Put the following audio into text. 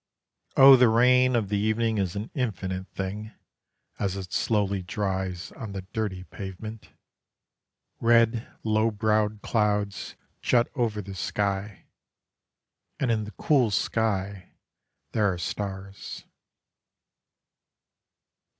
O the rain of the evening is an infinite thing As it slowly dries on the dirty pavement. Red low browed clouds jut over the sky: And in the cool sky there are stars.